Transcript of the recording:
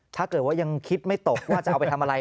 ถ้าเกิดว่ายังคิดไม่ตกว่าจะเอาไปทำอะไร